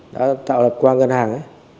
đã tạo lập qua ngân hàng ấy